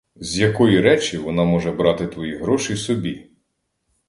З якої речі вона може брати твої гроші собі?